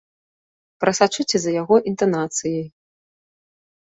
Прасачыце за яго інтанацыяй!